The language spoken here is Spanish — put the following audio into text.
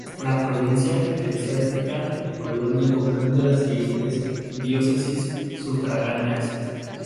La provincia eclesiástica de Colonia comprende las siguientes diócesis sufragáneas.